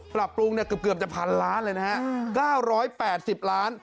ปรับปรุงเนี่ยเกือบจะพันล้านเลยนะฮะ๙๘๐ล้าน